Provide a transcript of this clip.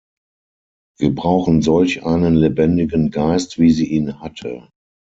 Wir brauchen solch einen lebendigen Geist, wie sie ihn hatte.